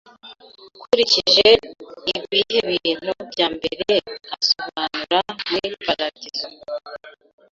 Ukurikije ibihe ibintu byambere asobanura muri paradizo